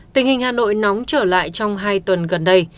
tình hình hà nội nóng trở lại trong hai tuần gần đây